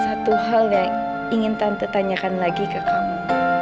satu hal yang ingin tante tanyakan lagi ke kamu